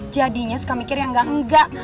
jadinya suka mikir yang enggak enggak